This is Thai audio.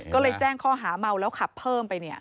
ก็เลยแจ้งข้อหาเมาแล้วขับเพิ่มไป